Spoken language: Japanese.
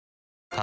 あ